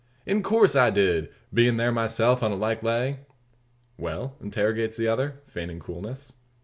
"In coorse I did bein' there myself, on a like lay." "Well?" interrogates the other, feigning coolness.